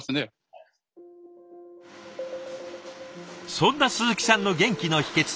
そんな鈴木さんの元気の秘けつ。